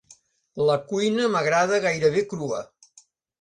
La cuina m'agrada gairebé crua.